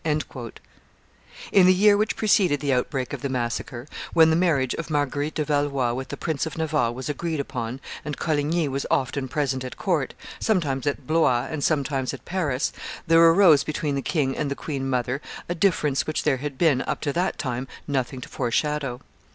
'" In the year which preceded the outbreak of the massacre, when the marriage of Marguerite de Valois with the Prince of Navarre was agreed upon, and Coligny was often present at court, sometimes at Blois and sometimes at Paris, there arose between the king and the queen mother a difference which there had been up to that time nothing to foreshadow.